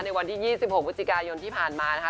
ในวันที่๒๖บยที่ผ่านมานะคะ